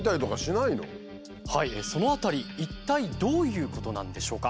その辺り一体どういうことなんでしょうか？